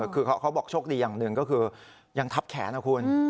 คือเขาบอกโชคดีอย่างหนึ่งก็คือยังทับแขนนะคุณ